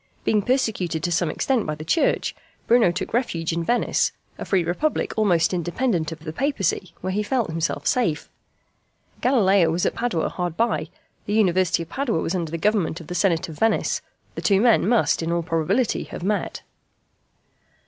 Being persecuted to some extent by the Church, Bruno took refuge in Venice a free republic almost independent of the Papacy where he felt himself safe. Galileo was at Padua hard by: the University of Padua was under the government of the Senate of Venice: the two men must in all probability have met.